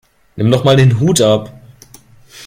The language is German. Nimm doch mal den Hut ab!